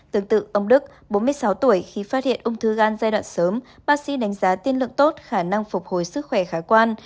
tương tự ông đức bốn mươi sáu tuổi khi phát hiện ung thư gan giai đoạn sớm bác sĩ đánh giá tiên lượng tốt khả năng phục hồi sức khỏe khả quan